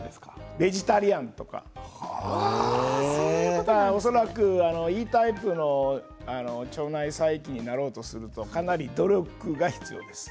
ベジタリアンとか恐らくＥタイプの腸内細菌になろうとするとかなり努力が必要です。